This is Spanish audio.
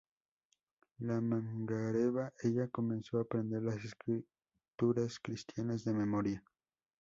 En Mangareva, ella comenzó a aprender las escrituras cristianas de memoria.